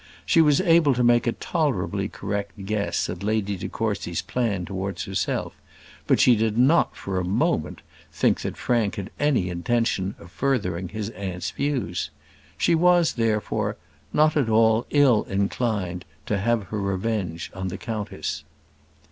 She was able to make a tolerably correct guess at Lady de Courcy's plan towards herself; but she did not for a moment think that Frank had any intention of furthering his aunt's views. She was, therefore, not at all ill inclined to have her revenge on the countess.